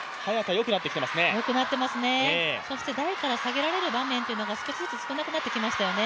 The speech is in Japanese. よくなってますね、そして台から下げられる場面が少しずつ少なくなってきましたよね。